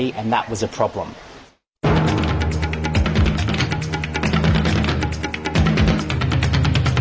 perhentian untuk pertarungan baru